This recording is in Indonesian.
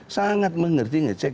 sangat mengerti nggak cek